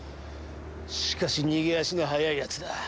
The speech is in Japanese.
しかし逃げ足の速いやつだ。